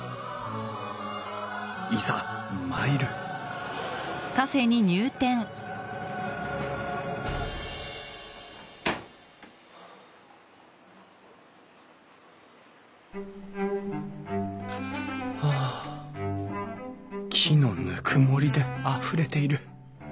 いざ参るはあ木のぬくもりであふれている。